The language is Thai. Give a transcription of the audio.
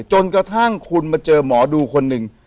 จนกระทั่งคุณมาเจอหมอดูคนหนึ่ง